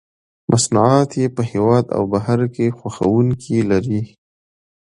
مصنوعات یې په هېواد او بهر کې خوښوونکي لري.